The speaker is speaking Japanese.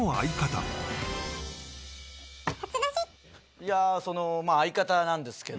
いやそのまぁ相方なんですけど。